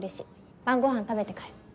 晩ごはん食べて帰る。